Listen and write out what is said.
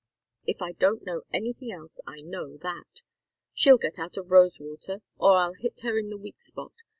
If I don't know anything else I know that. She'll get out of Rosewater, or I'll hit her in her weak spot.